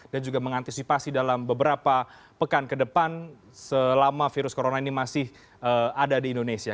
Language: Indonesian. dan juga mengantisipasi dalam beberapa pekan ke depan selama virus corona ini masih ada di indonesia